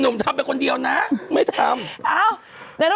ไม่ทำ